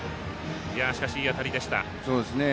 しかし、いい当たりでした。